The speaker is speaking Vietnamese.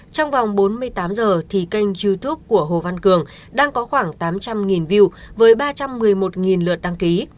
trong vòng bốn mươi tám giờ thì kênh youtube của hồ văn cường đang có khoảng tám trăm linh view với ba trăm một mươi một lượt đăng ký